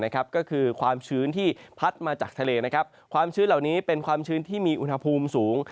ก็คือความชื้นที่พัดมาจากทะเลความชื้นเหล่านี้เป็นความชื้นที่มีอุณหภูมิสูง